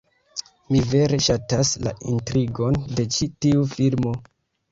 Mi vere ŝatas la intrigon de ĉi tiu filmo